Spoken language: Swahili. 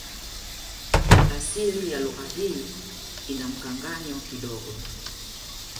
Asili ya lugha hii ina mkanganyo kidogo